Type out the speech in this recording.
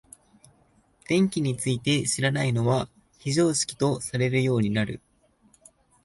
電気について知らないのは非常識とされるようになる。